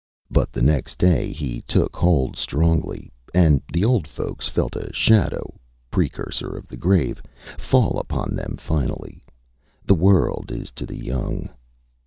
But the next day he took hold strongly, and the old folks felt a shadow precursor of the grave fall upon them finally. The world is to the young.